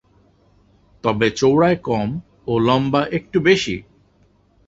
তবে চওড়ায় কম ও লম্বা একটু বেশি।